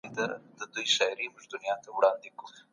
د تمرکز فرصتونه د انلاين درسونو له لارې زده کوونکو ته برابر سوي دي.